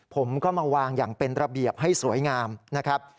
ผมก็มาวางอย่างเป็นระเบียบให้สวยงามนะครับ